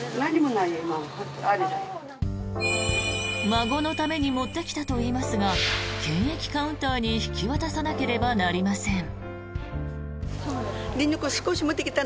孫のために持ってきたと言いますが検疫カウンターに引き渡さなければなりません。